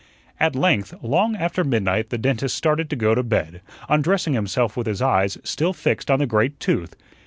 At length, long after midnight, the dentist started to go to bed, undressing himself with his eyes still fixed on the great tooth.